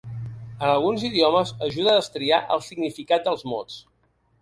En alguns idiomes ajuda a destriar el significat dels mots.